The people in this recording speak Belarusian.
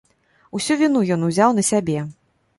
Усю віну ён узяў на сябе.